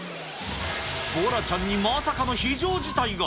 ボラちゃんにまさかの非常事態が。